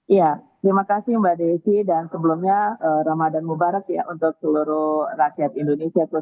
iya terima kasih mbak desi dan sebelumnya ramadan mubarak ya untuk seluruh rakyat indonesia